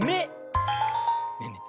ねえねえ